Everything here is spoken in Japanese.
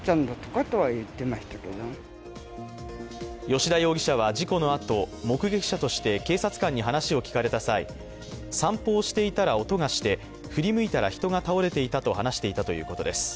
吉田容疑者は、事故のあと、目撃者として警察官に話を聞かれた際、散歩をしていたら音がして、振り向いたら人が倒れていたと話していたということです。